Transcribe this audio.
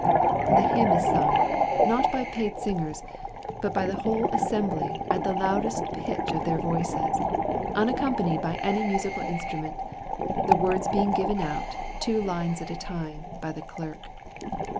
The hymn is sung—not by paid singers, but by the whole assembly at the loudest pitch of their voices, unaccompanied by any musical instrument, the words being given out, two lines at a time, by the clerk.